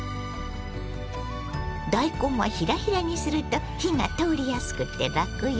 大根はひらひらにすると火が通りやすくてラクよ。